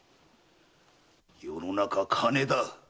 世の中金だ！